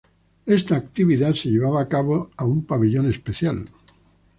Esta actividad se llevaba a cabo a un pabellón especial.